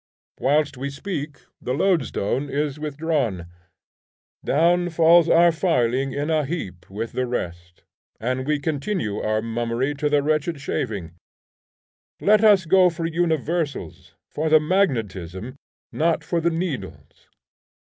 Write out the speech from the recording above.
Whilst we speak the loadstone is withdrawn; down falls our filing in a heap with the rest, and we continue our mummery to the wretched shaving. Let us go for universals; for the magnetism, not for the needles.